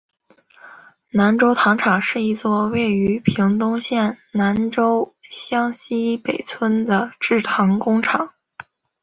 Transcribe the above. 南州糖厂是一座位于屏东县南州乡溪北村的制糖工厂。